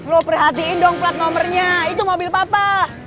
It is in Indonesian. lu perhatiin dong plat nomernya itu mobil papa